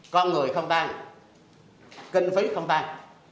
con người không tan kinh phí không tan